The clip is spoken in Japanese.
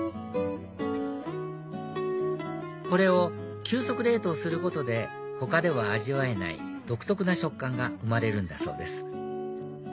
これを急速冷凍することで他では味わえない独特な食感が生まれるんだそうです